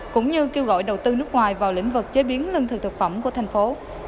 cũng như kêu gọi đầu tư nước ngoài vào lĩnh vực chế biến lương thực thực phẩm của thành phố